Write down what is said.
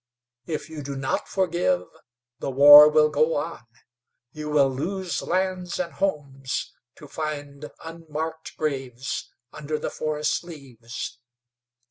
If you do not forgive, the war will go on; you will lose lands and homes, to find unmarked graves under the forest leaves.